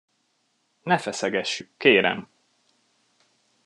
Ne feszegessük, kérem!